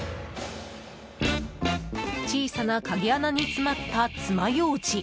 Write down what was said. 小さな鍵穴に詰まったつまようじ。